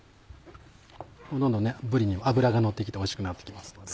どんどんぶりに脂がのって来ておいしくなって来ますので。